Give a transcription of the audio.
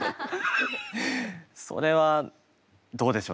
それはどうでしょうね。